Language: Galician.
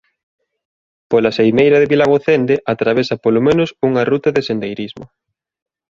Pola seimeira de Vilagocende atravesa polo menos unha ruta de sendeirismo.